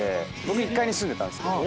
僕１階に住んでたんですけど。